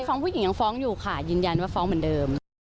ฟ้องผู้หญิงยังฟ้องอยู่ค่ะยืนยันว่าฟ้องเหมือนเดิม